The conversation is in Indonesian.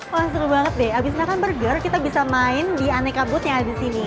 wah seru banget deh abis makan burger kita bisa main di aneka booth yang ada di sini